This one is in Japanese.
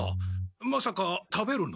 まさか食べるの？